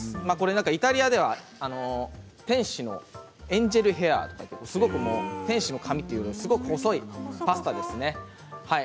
イタリアではエンジェルヘアと天使の髪というすごく細いパスタです。